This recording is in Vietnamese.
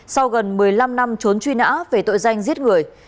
sau gần một mươi năm năm trốn truy nã về tội danh giết người